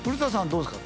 どうですか？